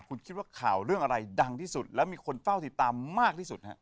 คุณคิดว่าข่าวเรื่องอะไรดังที่สุดแล้วมีคนเฝ้าติดตามมากที่สุดฮะ